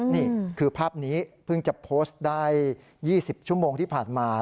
นี่คือภาพนี้เพิ่งจะโพสต์ได้๒๐ชั่วโมงที่ผ่านมา